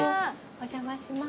お邪魔します。